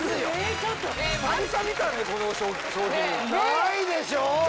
ないでしょ？